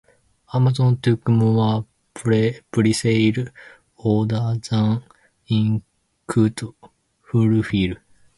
Amazon took more presale orders than it could fulfill.